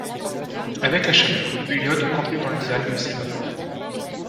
Avec la chaleur, l’iode contenu dans les algues s’évaporait.